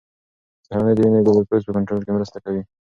سهارنۍ د وینې ګلوکوز په کنټرول کې مرسته کوي.